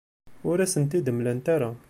Ur asen-t-id-mlant ara.